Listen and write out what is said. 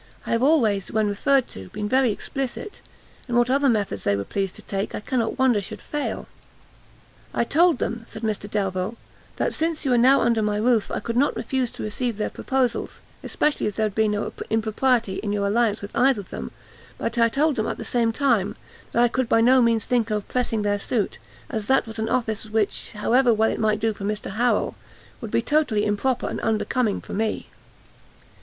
I have always, when referred to, been very explicit; and what other methods they were pleased to take, I cannot wonder should fail." "I told them," said Mr Delvile, "that, since you were now under my roof, I could not refuse to receive their proposals, especially as there would be no impropriety in your alliance with either of them but I told them, at the same time, that I could by no means think of pressing their suit, as that was an office which, however well it might do for Mr Harrel, would be totally improper and unbecoming for me."